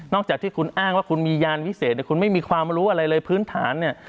จากที่คุณอ้างว่าคุณมียานวิเศษคุณไม่มีความรู้อะไรเลยพื้นฐานเนี่ย